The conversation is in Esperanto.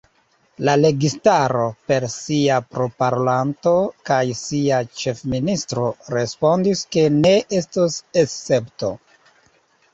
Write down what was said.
La registaro, per sia proparolanto kaj sia ĉefministro respondis ke ne estos escepto.